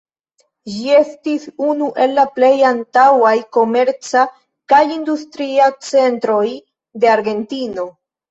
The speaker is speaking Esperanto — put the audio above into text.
Ĝi estis unu el la plej antaŭaj komerca kaj industria centroj de Argentino.